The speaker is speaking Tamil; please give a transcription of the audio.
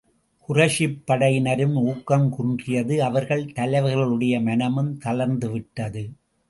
குறைஷிப் படையினரின் ஊக்கம் குன்றியது அவர்கள் தலைவர்களுடைய மனமும் தளர்ந்து விட்டது.